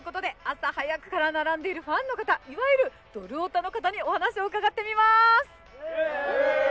「朝早くから並んでいるファンの方」「いわゆるドルオタの方にお話を伺ってみまーす」